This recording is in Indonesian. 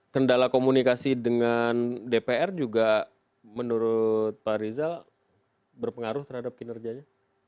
kendala komunikasi dengan dpr juga menurut pak rizal berpengaruh terhadap kinerjanya